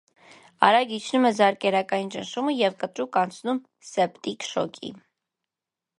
Արագ իջնում է զարկերակային ճնշումը ու կտրուկ անցնում սեպտիկ շոկի։